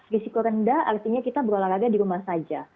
risiko rendah artinya kita berolahraga di rumah saja